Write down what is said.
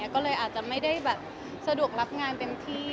ก็เลยอาจจะไม่ได้แบบสะดวกรับงานเต็มที่